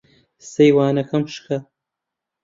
سەیوانەکەم شکا.